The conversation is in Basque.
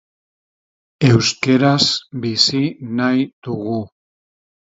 Erakusgai zuen, halaber, zirriborroak eta pinturak egiteko talentu artistiko handia.